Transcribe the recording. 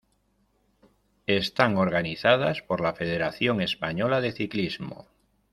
Están organizadas por la Federación Española de Ciclismo.